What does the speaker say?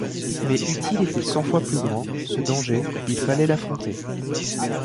Mais eût-il été cent fois plus grand, ce danger, il fallait l’affronter.